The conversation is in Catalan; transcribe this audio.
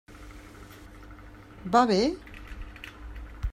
Va bé?